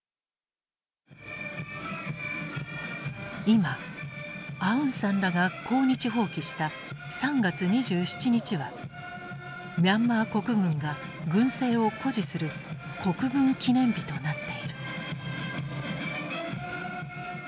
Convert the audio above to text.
今アウンサンらが抗日蜂起した３月２７日はミャンマー国軍が軍政を誇示する国軍記念日となっている。